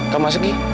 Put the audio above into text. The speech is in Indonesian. kamu masuk ki